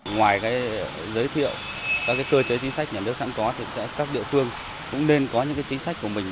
ngoài giới thiệu các cơ chế chính sách nhà nước sẵn có thì các địa phương cũng nên có những chính sách của mình